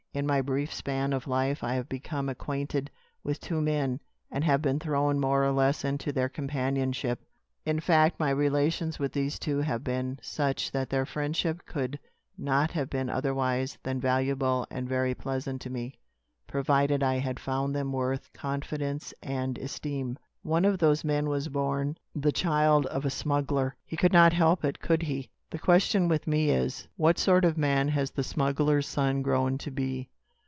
In my brief span of life I have become acquainted with two men, and have been thrown more or less into their companionship. In fact my relations with these two have been such that their friendship could not have been otherwise than valuable and very pleasant to me, provided I had found them worth confidence and esteem. One of those men was born the child of a smuggler. He could not help it, could he? The question with me is, what sort of a man has the smuggler's son grown to be?